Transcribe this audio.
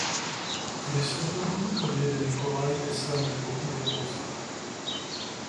V listopadu odjede Nikolaj ke svému pluku do Polska.